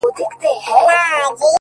بيا هم وچكالۍ كي له اوبو سره راوتـي يـو.